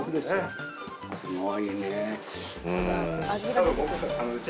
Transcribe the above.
すごいね。